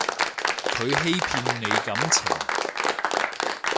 佢欺騙你感情